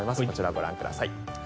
こちら、ご覧ください。